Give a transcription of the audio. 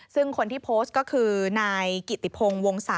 ซึ่งคนที่โพสต์ก็คือนายกิติพงศ์วงศะ